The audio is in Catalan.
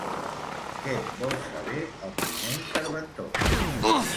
Què vol saber el primer interventor?